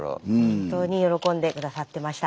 本当に喜んでくださってました。